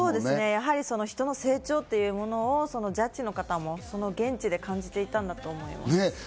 やはり人の成長というものをジャッジの方も現地で感じていたんだと思います。